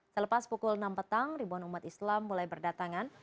selepas pukul enam petang ribuan umat islam mulai berdatangan